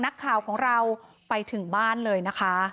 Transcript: นักข่าวของเราไปถึงบ้านเลยนะคะ